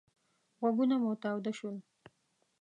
غوږونه مو تاوده شول.